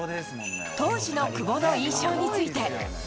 当時の久保の印象について。